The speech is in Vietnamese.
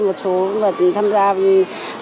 một số chương trình trẻ thái này rồi việt nam ơi